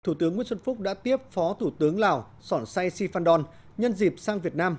thủ tướng nguyễn xuân phúc đã tiếp phó thủ tướng lào sỏn say sifan don nhân dịp sang việt nam